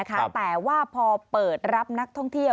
แต่ว่าพอเปิดรับนักท่องเที่ยว